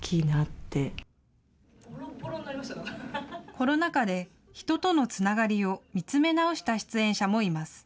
コロナ禍で人とのつながりを見つめ直した出演者もいます。